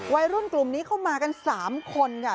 วัยรุ่นกลุ่มนี้เข้ามากัน๓คนค่ะ